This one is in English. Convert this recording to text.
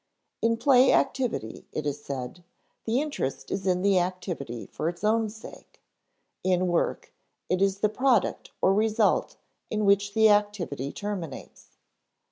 In play activity, it is said, the interest is in the activity for its own sake; in work, it is in the product or result in which the activity terminates.